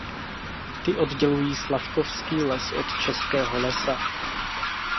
Ty oddělují Slavkovský les od Českého lesa.